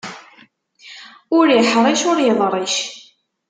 Ur iḥṛic, ur iḍric.